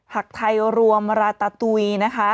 หากไทยรวมราตาตุยนะคะ